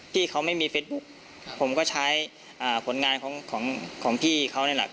ที่เขาไม่มีเฟซบุ๊กผมก็ใช้ผลงานของพี่เขานี่แหละ